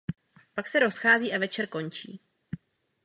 Pak se rozchází a večer končí.